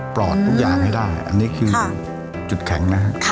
ปลอดทุกอย่างให้ได้อันนี้คือจุดแข็งนะครับ